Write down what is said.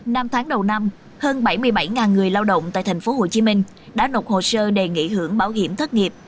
năm tháng đầu năm hơn bảy mươi bảy người lao động tại thành phố hồ chí minh đã nộp hồ sơ đề nghị hưởng bảo hiểm thất nghiệp